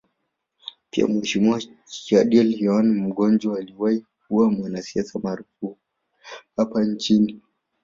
Pia Mheshimiwa Chediel Yohane Mgonja aliyewahi kuwa mwanasiasa maarufu hapa nchini